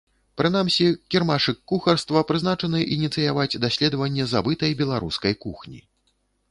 Прынамсі кірмашык кухарства прызначаны ініцыяваць даследаванне забытай беларускай кухні.